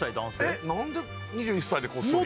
えっなんで２１歳で「こっそり」？